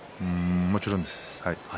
もちろんです。